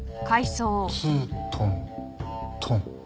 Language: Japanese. ツートントン。